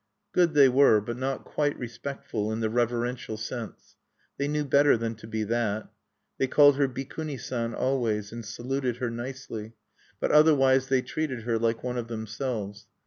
Good they were, but not quite respectful in the reverential sense. They knew better than to be that. They called her "Bikuni San" always, and saluted her nicely; but otherwise they treated her like one of themselves.